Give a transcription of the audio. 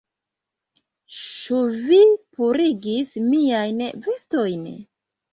Ĉu vi purigis miajn vestojn?